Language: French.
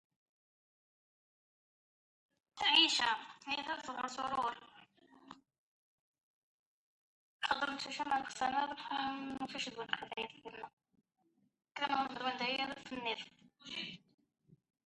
Marc quitte le groupe pour poursuivre dans un style musical différent.